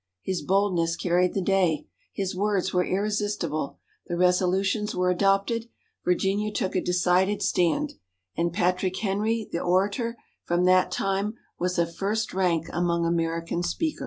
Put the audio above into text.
His boldness carried the day. His words were irresistible. The resolutions were adopted. Virginia took a decided stand. And Patrick Henry, the orator, from that time was of first rank among American speakers.